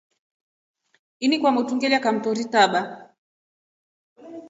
Ini kwa motru ngela kamtori taba.